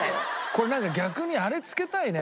これなんか逆にあれつけたいね。